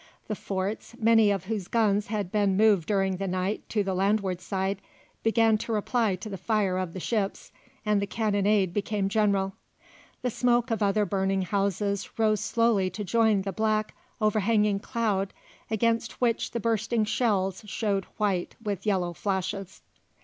The forts, many of whose guns had been moved during the night to the landward side, began to reply to the fire of the ships, and the cannonade became general. The smoke of other burning houses rose slowly to join the black, overhanging cloud against which the bursting shells showed white with yellow flashes.